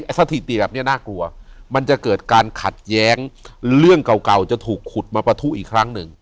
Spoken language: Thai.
สถิติแบบนี้น่ากลัวมันจะเกิดการขัดแย้งเรื่องเก่าจะถูกขุดมาประทุอีกครั้งหนึ่ง